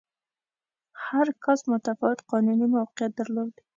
هر کاسټ متفاوت قانوني موقعیت درلود.